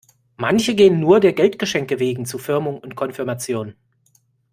Manche gehen nur der Geldgeschenke wegen zu Firmung und Konfirmation.